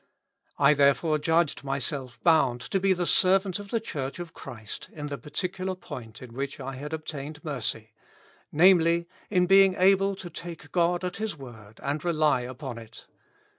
"I therefore judged myself bound to be the servant of the Church of Christ, in the particular point in which I had ob tained mercy; namely, in being able to take God at His word and rely upon it.